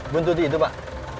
buntuti itu pak